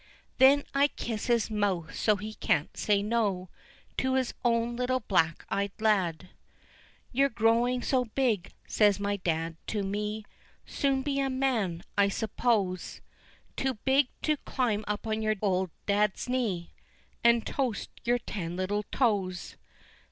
Then I kiss his mouth so he can't say no, To his own little black eyed lad. "You're growing so big" says my dad to me, "Soon be a man, I suppose, Too big to climb up on your old dad's knee And toast your ten little toes."